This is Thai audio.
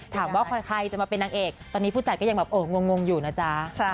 ถามว่าใครจะมาเป็นนางเอกตอนนี้ผู้จัดก็ยังแบบงงอยู่นะจ๊ะ